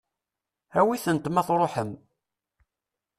Awit-tent ma tṛuḥem.